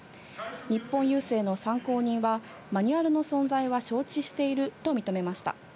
日本郵政の参考人は、マニュアルの存在は承知していると認めました。